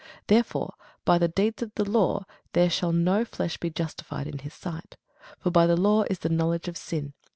Therefore by the deeds of the law there shall no flesh be justified in his sight: for by the law is the knowledge of sin.